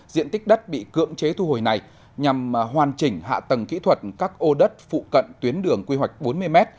diện tích đất bị cưỡng chế thu hồi này nhằm hoàn chỉnh hạ tầng kỹ thuật các ô đất phụ cận tuyến đường quy hoạch bốn mươi m